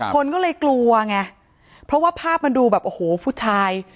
คนก็เลยกลัวไงเพราะว่าภาพมันดูแบบโอ้โหผู้ชาย